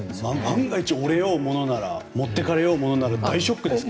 万が一、折れようものなら持ってかれようものなら大ショックですね。